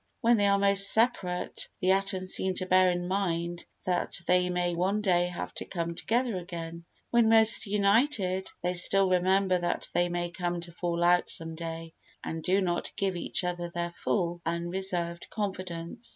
When they are most separate, the atoms seem to bear in mind that they may one day have to come together again; when most united, they still remember that they may come to fall out some day and do not give each other their full, unreserved confidence.